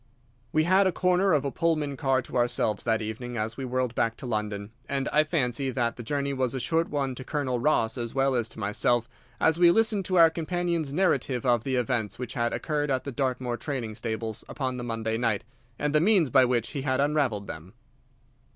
We had the corner of a Pullman car to ourselves that evening as we whirled back to London, and I fancy that the journey was a short one to Colonel Ross as well as to myself, as we listened to our companion's narrative of the events which had occurred at the Dartmoor training stables upon the Monday night, and the means by which he had unravelled them.